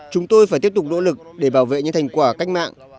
chúng tôi phải tiếp tục nỗ lực để bảo vệ những thành quả cách mạng